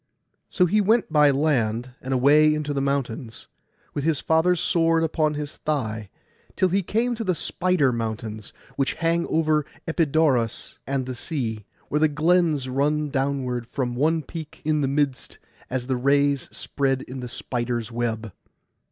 So he went by land, and away into the mountains, with his father's sword upon his thigh, till he came to the Spider mountains, which hang over Epidaurus and the sea, where the glens run downward from one peak in the midst, as the rays spread in the spider's web.